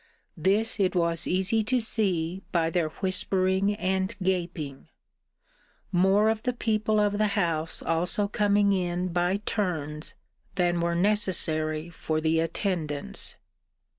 This it was easy to see, by their whispering and gaping: more of the people of the house also coming in by turns, than were necessary for the attendance.